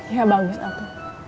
ya bagus atuh